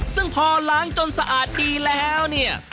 ซึ่งพอล้างจนสะอาดดีแล้วเนี่ย